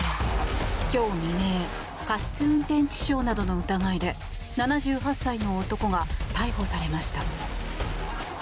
今日未明過失運転致傷などの疑いで７８歳の男が逮捕されました。